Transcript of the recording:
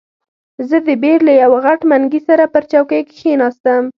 زه د بیر له یوه غټ منګي سره پر چوکۍ کښېناستم.